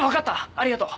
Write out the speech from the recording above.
ありがとう。